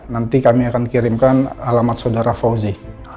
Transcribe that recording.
nanti kami akan kirimkan alamat saudara fauzi